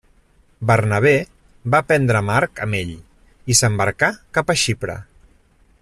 Bernabé va prendre Marc amb ell i s'embarcà cap a Xipre.